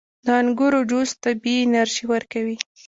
• د انګورو جوس طبیعي انرژي ورکوي.